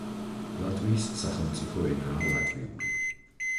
ლატვიის სახელმწიფო ენაა ლატვიური.